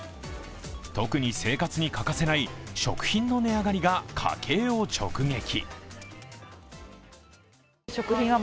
特に生活に欠かせない食品の値上がりが家計を直撃。